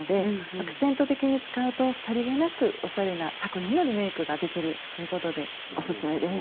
アクセント的に使うとさりげなくおしゃれな作品のリメイクができるということでおすすめです。